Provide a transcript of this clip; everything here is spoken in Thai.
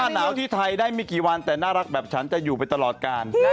หนาวที่ไทยได้ไม่กี่วันแต่น่ารักแบบฉันจะอยู่ไปตลอดกาล